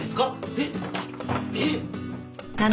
えっええっ！？